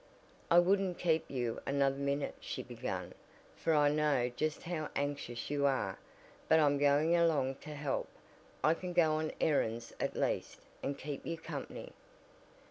"I wouldn't keep you another minute," she began, "for I know just how anxious you are. But I'm going along to help. I can go on errands at least, and keep you company."